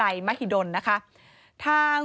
พบหน้าลูกแบบเป็นร่างไร้วิญญาณ